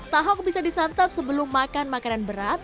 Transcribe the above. tahok bisa disantap sebelum makan makanan berat